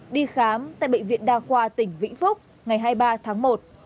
đi khám tại bệnh viện đa khoa tỉnh vĩnh phúc ngày hai mươi ba tháng một